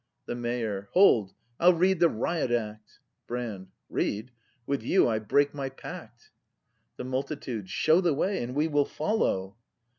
The Mayor. Hold! I'll read the Riot Act! Brand. Read ! With you I break my pact. The Multitude. Show the way, and we will follow!